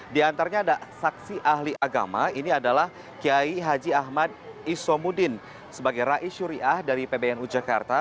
di antaranya ada saksi ahli agama ini adalah kiai haji ahmad isomudin sebagai rais syuriah dari pbnu jakarta